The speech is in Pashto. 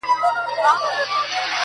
کفن په غاړه ګرځومه قاسم یاره پوه یم,